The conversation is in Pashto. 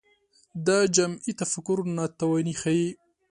دا جمعي تفکر ناتواني ښيي